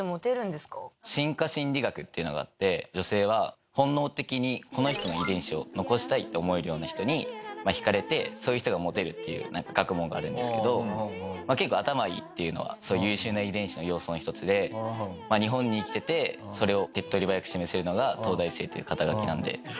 進化心理学っていうのがあって女性は本能的にこの人の遺伝子を残したいって思えるような人に引かれてそういう人がモテるっていう学問があるんですけど結構頭いいっていうのはそういう優秀な遺伝子の要素の一つで日本に生きててそれを。